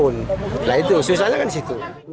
nah itu susahnya kan situ